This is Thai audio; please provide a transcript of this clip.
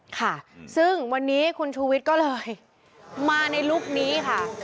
ค่ะซึ่งวันนี้คุณชูวิทย์ก็เลยมาในลุคนี้ค่ะ